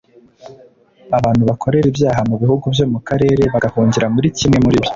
Abantu bakorera ibyaha mu bihugu byo mu karere bagahungira muri kimwe muri byo